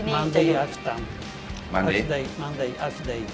มันมี